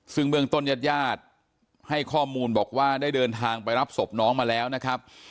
ซึ่งเบื้องต้นญาติญาติให้ข้อมูลบอกว่าได้เดินทางไปรับศพน้องมาแล้วนะครับ